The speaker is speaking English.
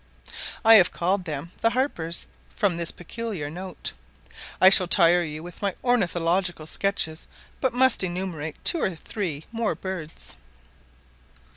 I have called them the "harpers" from this peculiar note. I shall tire you with my ornithological sketches, but must enumerate two or three more birds.